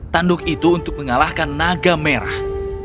tanduk itu untuk mengalahkan naga merah